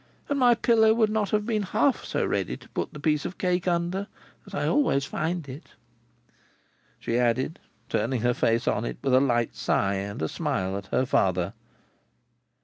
And my pillow would not have been half as ready to put the piece of cake under, as I always find it," she added, turning her face on it with a light sigh, and a smile at her father.